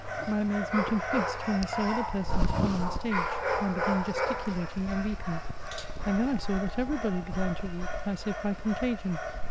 My amazement increased, when I saw other persons come on the stage, and begin gesticulating and weeping ; and then I saw that everybody began, to weep, as if by contagion.